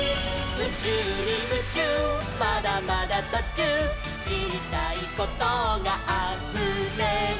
「うちゅうにムチューまだまだとちゅう」「しりたいことがあふれる」